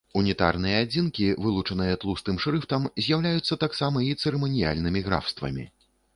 Унітарныя адзінкі, вылучаныя тлустым шрыфтам, з'яўляюцца таксама і цырыманіяльнымі графствамі.